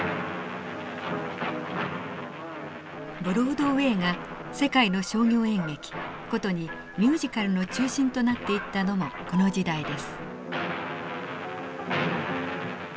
ブロードウェイが世界の商業演劇ことにミュージカルの中心となっていったのもこの時代です。